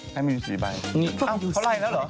ให้มายูสี่ใบเพราะไหร่แล้วเหรอ